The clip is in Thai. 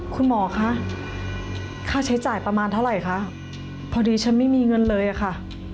คุณหมอคะค่าใช้จ่ายประมาณเท่าไหร่คะพอดีฉันไม่มีเงินเลยอะค่ะ